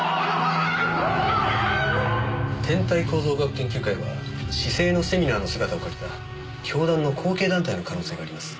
天体構造学研究会は市井のセミナーの姿を借りた教団の後継団体の可能性があります。